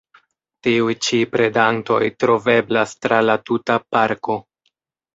Tiuj ĉi predantoj troveblas tra la tuta parko.